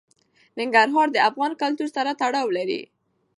ننګرهار د افغان کلتور سره تړاو لري.